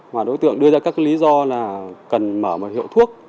mà đối tượng đưa ra các lý do là cần mở một hiệu thuốc